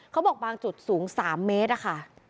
เขาบอกบางจุดสูง๓เมตรอะค่ะ